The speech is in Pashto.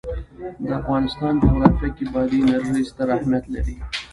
د افغانستان جغرافیه کې بادي انرژي ستر اهمیت لري.